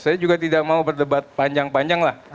saya juga tidak mau berdebat panjang panjang lah